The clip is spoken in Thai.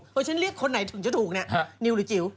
ฉันเรียกคนไหนถึงจะถูกเนี่ยนิวหรือจิ๋ว